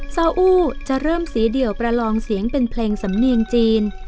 ซาอู้จะเริ่มสีเดี่ยวประลองเสียงเป็นเพลงสำเนียงจีน